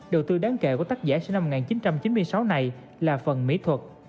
đầu tư đáng kể của tác giả sinh năm một nghìn chín trăm chín mươi sáu này là phần mỹ thuật